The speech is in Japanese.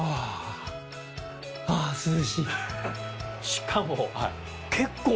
しかも。